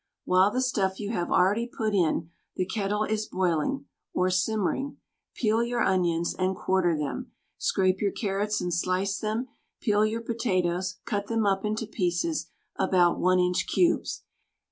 While the stuff you have already put in the kettle is boiling, or simmering, peel your onions and quarter them, scrape your carrots and slice them, peel your potatoes, cut them up into pieces — about inch cubes.